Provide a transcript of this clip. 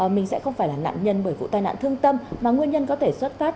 mình sẽ không phải là nạn nhân bởi vụ tai nạn thương tâm mà nguyên nhân có thể xuất phát